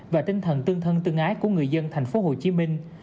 và tinh thần tương thân tương ái của người dân thành phố hồ chí minh